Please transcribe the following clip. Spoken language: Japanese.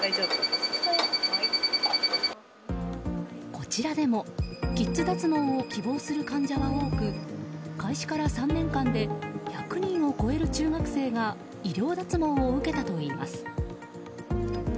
こちらでもキッズ脱毛を希望する患者は多く開始から３年間で１００人を超える中学生が医療脱毛を受けたといいます。